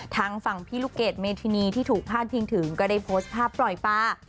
ทางฝั่งพี่ลูกเกดเมธินีที่ถูกพาดพิงถึงก็ได้โพสต์ภาพปล่อยปลา